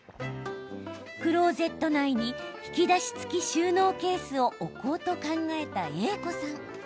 クローゼット内に引き出し付き収納ケースを置こうと考えたＡ子さん。